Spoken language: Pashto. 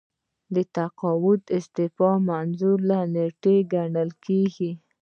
تقاعد د استعفا د منظورۍ له نیټې ګڼل کیږي.